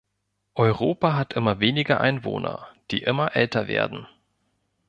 Europa hat immer weniger Einwohner, die immer älter werden.